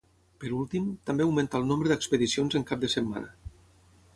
Per últim, també augmenta el nombre d'expedicions en cap de setmana.